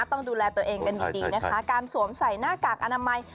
ต้องดูแลตัวเองกันดีดีนะคะการสวมใส่หน้ากากอนามัย